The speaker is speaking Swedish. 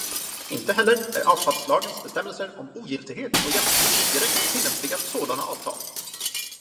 Inte heller är avtalslagens bestämmelser om ogiltighet och jämkning direkt tillämpliga på sådana avtal.